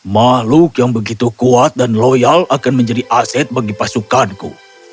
makhluk yang begitu kuat dan loyal akan menjadi aset bagi pasukanku